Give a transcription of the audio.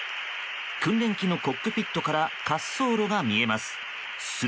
訓練機のコックピットから滑走路が見えます。